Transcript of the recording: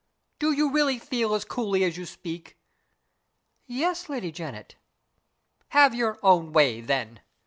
"Do you really feel as coolly as you speak?" "Yes, Lady Janet." "Have your own way, then.